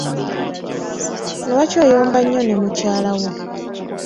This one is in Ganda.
Lwaki oyomba nnyo ne mukyalawo?